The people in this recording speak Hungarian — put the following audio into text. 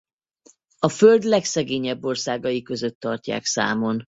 A Föld legszegényebb országai között tartják számon.